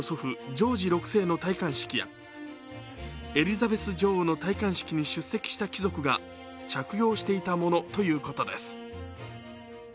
ジョージ６世の戴冠式やエリザベス女王の戴冠式に出席した貴族が着用していたものということです。